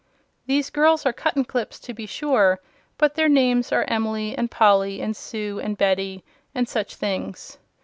These girls are Cuttenclips, to be sure, but their names are Emily and Polly and Sue and Betty and such things.